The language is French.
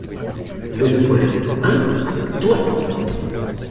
Voix de Paulette. — Hein ! toi !…